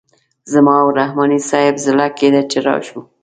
زما او د رحماني صیب زړه کیده چې راشو.